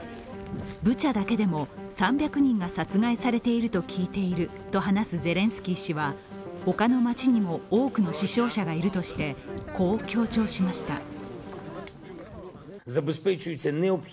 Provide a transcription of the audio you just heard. ブチャだけでも３００人が殺害されていると聞いていると話すゼレンスキー氏は、ほかの町にも多くの死傷者がいるとして、こう強調しました。